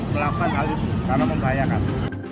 melakukan hal itu karena membahayakan